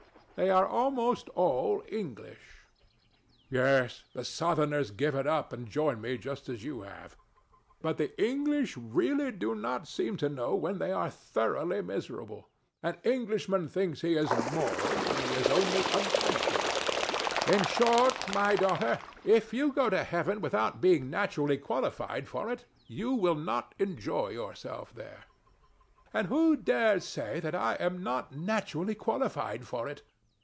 They are almost all English. THE DEVIL. Yes: the Southerners give it up and join me just as you have done. But the English really do not seem to know when they are thoroughly miserable. An Englishman thinks he is moral when he is only uncomfortable. THE STATUE. In short, my daughter, if you go to Heaven without being naturally qualified for it, you will not enjoy yourself there. ANA. And who dares say that I am not naturally qualified for it?